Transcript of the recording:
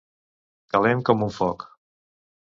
Calent com un foc.